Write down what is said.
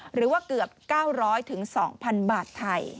หรือว่าเกือบ๙๐๐๒๐๐๐บาทไทย